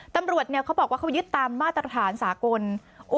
ตำรวจเขาบอกว่าเขายึดตามมาตรฐานสากล